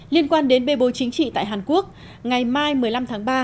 liên quan đến bê bối chính trị tại hàn quốc ngày mai một mươi năm tháng ba